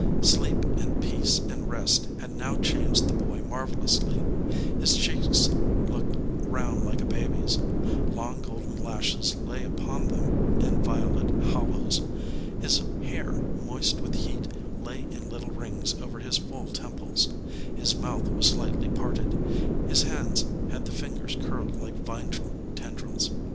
Sleep and peace and rest had now changed the boy marvelously. His cheeks looked round like a baby s. Long golden lashes lay upon them in violet hollows. His hair, moist with heat, lay in little rings over his full temples, his mouth w r as slightly parted, his hands had the fingers curled like vine tendrils.